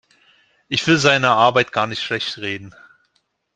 Ich will seine Arbeit gar nicht schlechtreden.